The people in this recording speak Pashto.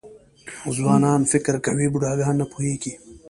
ځوانان فکر کوي بوډاګان نه پوهېږي .